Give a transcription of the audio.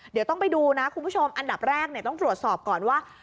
เดี๋ยวต้องไปดูนะคุณผู้ชมอันดับแรกต้องตรวจสอบก่อนว่า